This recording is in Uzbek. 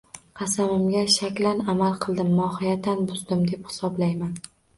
Qasamimga shaklan amal qildim, mohiyatan buzdim, deb hisoblaydi